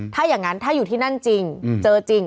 ถ้าอย่างนั้นถ้าอยู่ที่นั่นจริงเจอจริง